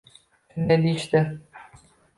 — shunday deyishdi.